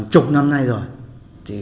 chục năm nay rồi